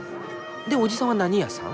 でおじさんは何屋さん？